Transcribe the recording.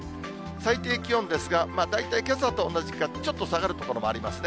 最低気温ですが、大体けさと同じかちょっと下がる所もありますね。